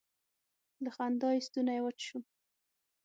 له خندا یې ستونی وچ شو.